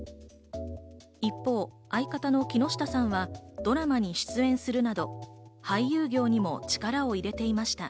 一方、相方の木下さんはドラマに出演するなど、俳優業にも力を入れていました。